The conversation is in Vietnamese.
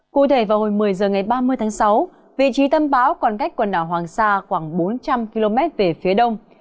cụ thể vào hồi một mươi h ngày ba mươi tháng sáu vị trí tâm báo còn cách quần đảo hoàng sa khoảng bốn trăm linh km về phía đông